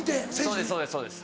そうですそうですそうです。